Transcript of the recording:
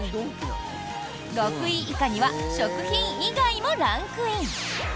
６位以下には食品以外もランクイン！